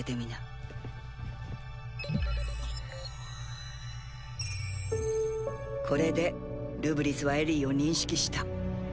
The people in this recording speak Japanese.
ピピッこれでルブリスはエリィを認識した。